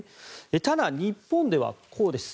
ただ日本ではこうです。